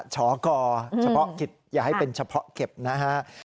ชกเฉพาะกิจอย่าให้เป็นเฉพาะเก็บนะฮะ